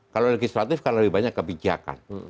kalau legislatif kan lebih banyak kebijakan